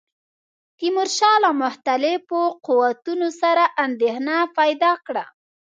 تیمورشاه له مختلفو قوتونو سره اندېښنه پیدا کړه.